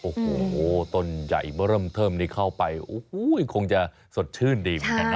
โอ้โหต้นใหญ่เมื่อเริ่มเทิมนี้เข้าไปโอ้โหคงจะสดชื่นดีเหมือนกันนะ